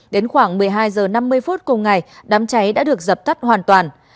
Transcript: đến khoảng một mươi hai h năm mươi phút cùng ngày đám cháy đã được dập tắt hoàn toàn